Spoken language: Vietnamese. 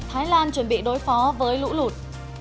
thái lan chuẩn bị đối phó với lũ lụt